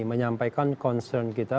menyampaikan concern kita